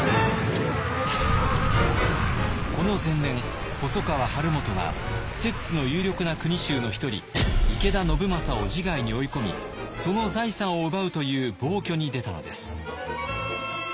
この前年細川晴元は摂津の有力な国衆の一人池田信正を自害に追い込みその財産を奪うという暴挙に出たのです。